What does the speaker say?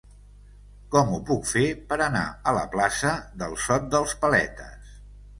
Com ho puc fer per anar a la plaça del Sot dels Paletes?